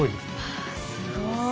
わすごい。